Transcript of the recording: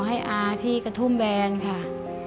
ให้อาที่กระทุ่มแบนค่ะ